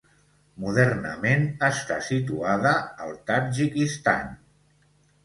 Modernament està situada al Tadjikistan.